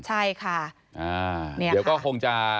ใช่ค่า